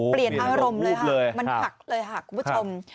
เปลี่ยนอารมณ์เลยค่ะมันหักเลยค่ะคุณผู้ชม